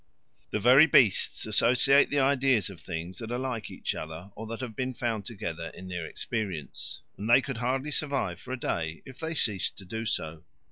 The very beasts associate the ideas of things that are like each other or that have been found together in their experience; and they could hardly survive for a day if they ceased to do so.